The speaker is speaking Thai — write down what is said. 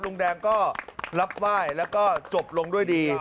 ลุงแดงก็รับไหว้แล้วก็จบลงด้วยดี